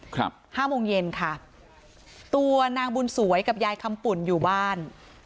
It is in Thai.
ห้าโมงเย็นค่ะตัวนางบุญสวยกับยายคำปุ่นอยู่บ้าน